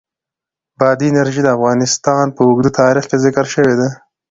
بادي انرژي د افغانستان په اوږده تاریخ کې ذکر شوې ده.